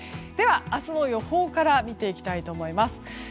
では、明日の予報から見ていきたいと思います。